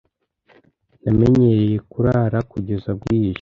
Namenyereye kurara kugeza bwije